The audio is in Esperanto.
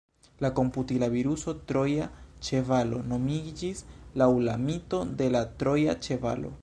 La komputila viruso troja ĉevalo nomiĝis laŭ la mito de la troja ĉevalo.